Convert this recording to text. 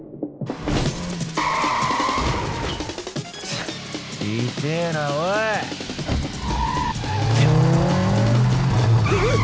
チッ痛えなおいひっ！